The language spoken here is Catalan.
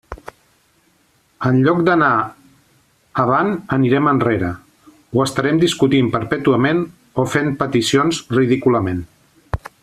En lloc d'anar avant anirem arrere, o estarem discutint perpètuament o fent peticions ridículament.